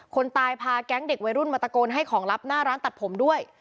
คนตายพาแก๊งเด็กวัยรุ่นมาตะโกนให้ของลับหน้าร้านตัดผมด้วย